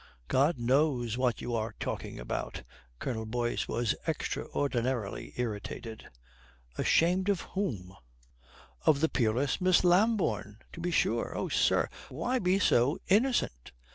"God knows what you are talking about." Colonel Boyce was extraordinarily irritated. "Ashamed of whom?" "Of the peerless Miss Lambourne, to be sure. Oh, sir, why be so innocent?